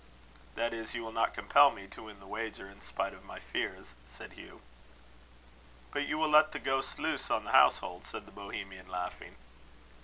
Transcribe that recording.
"That is, you will not compel me to win the wager in spite of my fears," said Hugh. "But you will let the ghost loose on the household," said the Bohemian, laughing.